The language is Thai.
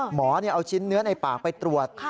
หมอเอาชิ้นเนื้อในปากไปตรวจ